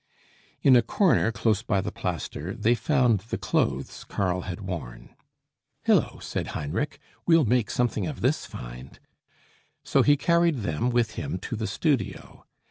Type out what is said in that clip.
In a corner close by the plaster, they found the clothes Karl had worn. "Hillo!" said Heinrich, "we'll make something of this find." So he carried them with him to the studio.